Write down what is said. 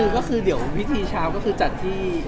ก็คือเดี๋ยวพิธีเช้าก็คือจัดที่